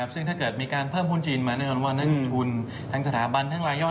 ซึ่งถ้าเกิดมีการเพิ่มหุ้นจีนมาแน่นอนว่านักลงทุนทั้งสถาบันทั้งรายย่อย